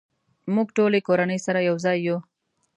مونږ ټولې کورنۍ سره یوځای یو